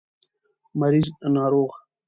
مريض √ ناروغ